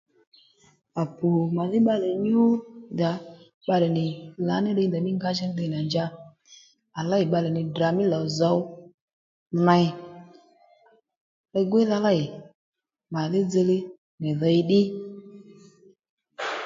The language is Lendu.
À pù màdhí bbalè nyú ddà bbalè nì lǎní ddiy ndèymí ngǎjìní ddiy mà njǎ à lêy bbalè nì Ddrà mí lò zǒw ney li-gwíydha lêy màdhí dziylíy nì dhǐy ddí